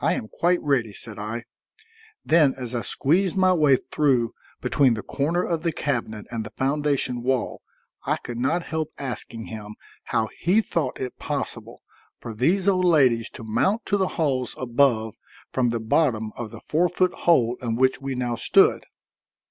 "I am quite ready," said I. Then as I squeezed my way through between the corner of the cabinet and the foundation wall, I could not help asking him how he thought it possible for these old ladies to mount to the halls above from the bottom of the four foot hole in which we now stood.